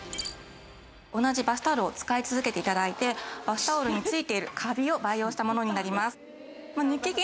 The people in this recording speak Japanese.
同じバスタオルを使い続けて頂いてバスタオルについているカビを培養したものになります。